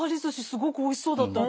すごくおいしそうだった。